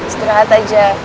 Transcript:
setelah hat aja